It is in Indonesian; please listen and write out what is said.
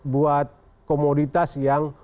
buat komoditas yang